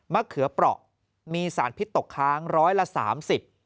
มะเขือเปราะมีสารพิษตกค้าง๑๓๐บาท